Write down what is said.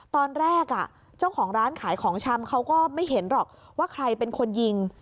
ตอนแรกเจ้าของร้านขายของชำเขาก็ไม่เห็นหรอกว่าใครเป็นคนยิง